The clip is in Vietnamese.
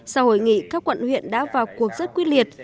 sau hội nghị các quận huyện đã vào cuộc rất quyết liệt